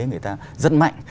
người ta rất mạnh